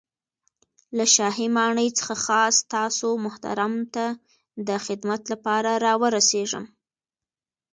له شاهي ماڼۍ څخه خاص تاسو محترم ته د خدمت له پاره را ورسېږم.